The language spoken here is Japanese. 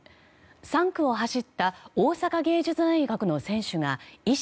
３区を走った大阪芸術大学の選手が意識